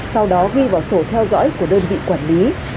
sau đó ghi vào sổ theo dõi của đơn vị quản lý